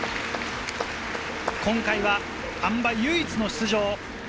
今回はあん馬、唯一の出場。